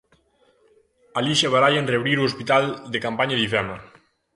Alí xa barallan reabrir o hospital de campaña de Ifema.